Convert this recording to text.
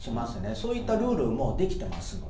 そういったルールはもうできていますので。